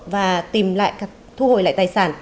và tìm lại thu hồi lại tài sản